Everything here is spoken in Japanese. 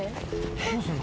どうすんの？